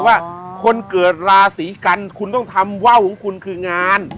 ว่าคนเกิดราศีกันคุณต้องทำว่าวของคุณคืองาน